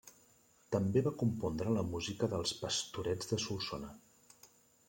També va compondre la música dels Pastorets de Solsona.